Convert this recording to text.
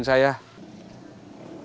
tidak ada apa apa